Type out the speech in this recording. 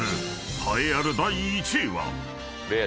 栄えある第１位は］